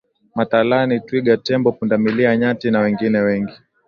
mathalani twiga tembo pundamilia nyati na wengine wengi